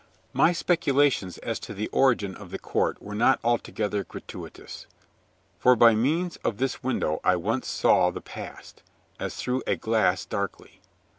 My speculations as to the origin of the court were not altogether gratuitous, for by means of this window I once saw the Past, as through a glass darkly.